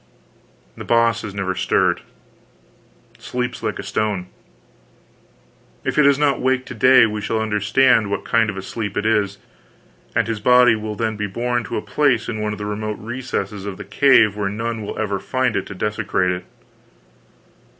The Boss has never stirred sleeps like a stone. If he does not wake to day we shall understand what kind of a sleep it is, and his body will then be borne to a place in one of the remote recesses of the cave where none will ever find it to desecrate it.